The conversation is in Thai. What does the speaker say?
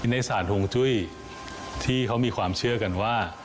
ในศาลห่วงจุ้ยที่เขามีความเชื่อกันว่า